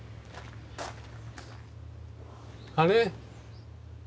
あれ？